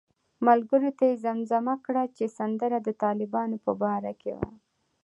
ملګرو ته یې زمزمه کړه چې سندره د طالبانو په باره کې وه.